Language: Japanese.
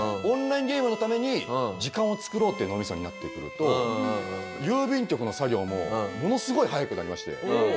オンラインゲームのために時間を作ろうっていう脳みそになってくると郵便局の作業もものすごい早くなりまして。